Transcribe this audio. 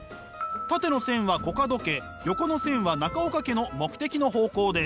縦の線はコカド家横の線は中岡家の目的の方向です。